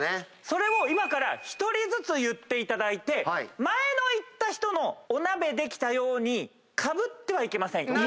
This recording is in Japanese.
それを今から１人ずつ言っていただいて前の言った人の「お鍋できたよ」にカブってはいけません。